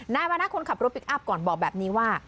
นายมณัฑคนขับรถปิ๊กอัพก่อนบอกแบบนี้ว่า